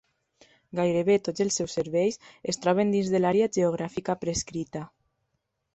Gairebé tots els seus serveis es troben dins de l'àrea geogràfica prescrita.